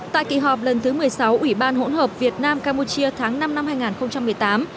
tại kỳ họp lần thứ một mươi sáu ủy ban hỗn hợp việt nam campuchia tháng năm năm hai nghìn một mươi tám